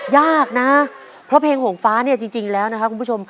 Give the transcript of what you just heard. ยากนะเพราะเพลงหงฟ้าเนี่ยจริงแล้วนะครับคุณผู้ชม